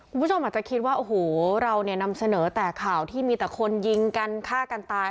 คุณผู้ชมอาจจะคิดว่าโอ้โหเราเนี่ยนำเสนอแต่ข่าวที่มีแต่คนยิงกันฆ่ากันตาย